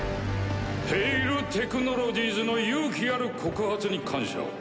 「ペイル・テクノロジーズ」の勇気ある告発に感謝を。